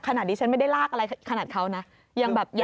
ขนาดนี้ฉันไม่ได้ลากอะไรขนาดเขาน่ะ